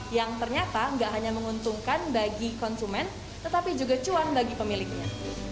yang ternyata nggak hanya menguntungkan bagi konsumen tetapi juga cuan bagi pemiliknya